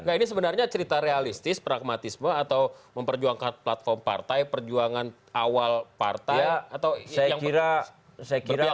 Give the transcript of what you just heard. nah ini sebenarnya cerita realistis pragmatisme atau memperjuangkan platform partai perjuangan awal partai atau yang berpilihan siapa yang menang